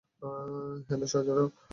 Hello, শজারু।